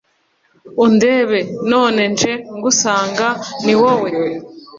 undebe. none nje ngusanga, ni wowe